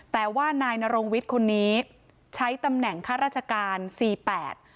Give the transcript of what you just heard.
แต่ว่านายนรงวิทย์คนนี้ใช้ตำแหน่งข้าราชการสี่แปด